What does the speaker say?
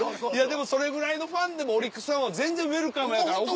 でもそれぐらいのファンでもオリックスファンは全然ウエルカムやから。